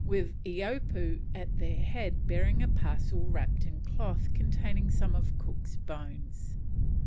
with Eapoo at their head bearing a parcel wrapped in cloth containing some of Cook's bones.